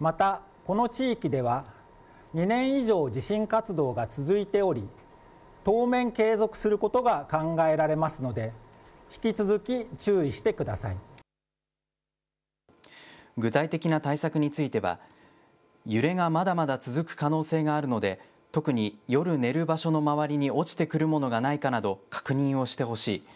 また、この地域では、２年以上地震活動が続いており、当面継続することが考えられますので、具体的な対策については、揺れがまだまだ続く可能性があるので、特に夜寝る場所の周りに落ちてくるものがないかなど、確認をしてほしい。